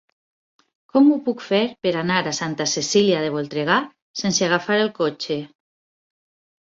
Com ho puc fer per anar a Santa Cecília de Voltregà sense agafar el cotxe?